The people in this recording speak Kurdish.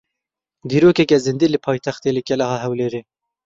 Dîrokeke zindî li paytextê li Keleha Hewlêrê.